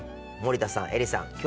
森田さん映里さん